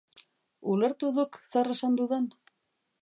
Ulertu duk zer esan dudan?